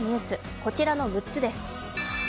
こちらの６つです。